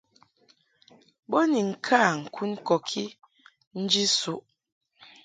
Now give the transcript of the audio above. Bo ni ŋka ŋkun kɔki nji suʼ.